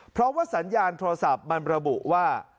เพราะว่าสัญญาณโทรศัพท์มันระบุว่า